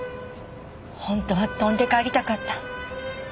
本当は飛んで帰りたかった。